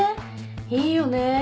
いいよねぇ。